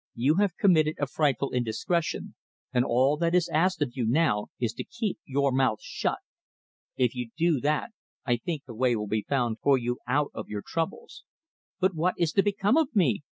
"You have committed a frightful indiscretion, and all that is asked of you now is to keep your mouth shut. If you do that, I think a way will be found for you out of your troubles." "But what is to become of me?"